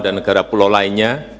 dan negara pulau lainnya